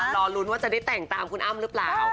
รอลุ้นว่าจะได้แต่งตามคุณอ้ำหรือเปล่า